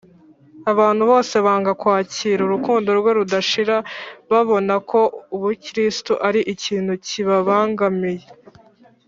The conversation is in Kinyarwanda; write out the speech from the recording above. abantu bose banga kwakira urukundo rwe rudashira babona ko ubukristo ari ikintu kibabangamiye